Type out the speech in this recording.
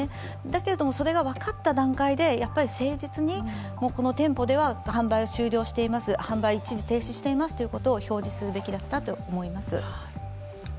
だけれども、それが分かった段階で誠実に、この店舗では販売を終了しています、販売を一時停止していますということを標示するべきだったと思います。